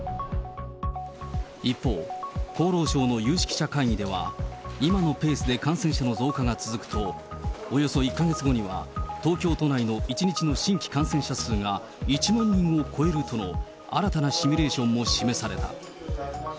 一方、厚労省の有識者会議では、今のペースで感染者の増加が続くと、およそ１か月後には、東京都内の１日の新規感染者数が１万人を超えるとの新たなシミュレーションも示された。